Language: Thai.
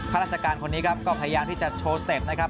ราชการคนนี้ครับก็พยายามที่จะโชว์สเต็ปนะครับ